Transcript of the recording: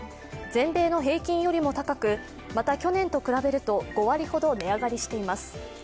全米の平均よりも高く、また去年と比べると５割ほど値上がりしています。